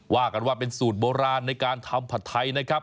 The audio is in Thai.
ว่ากันว่าเป็นสูตรโบราณในการทำผัดไทยนะครับ